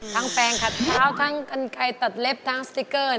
ทั้งแฟงคัดเท้าทั้งกันไก่ตัดเล็บทั้งสติกเกอร์